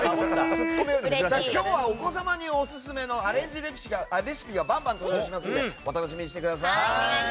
今日はお子様にオススメのアレンジレシピがバンバン登場しますのでお楽しみにしてください。